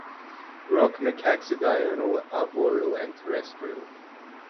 Rock macaques are diurnal, arboreal, and terrestrial.